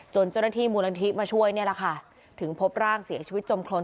จนเจ้าหน้าที่มูลนาทิมาช่วยถึงพบร่างเสียชีวิตจมครรณ